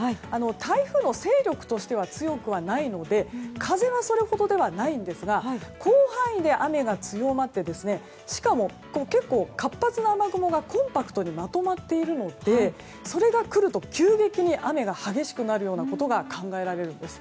台風の勢力としては強くないので風はそれほどではないんですが広範囲で雨が強まってしかも結構、活発な雨雲がコンパクトにまとまっているのでそれが来ると急激に雨が激しくなるようなことが考えられるんです。